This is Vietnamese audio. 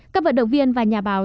các vận động viên và nhà báo